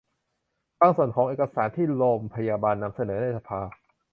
บางส่วนของเอกสารที่โรมพยายามนำเสนอในสภา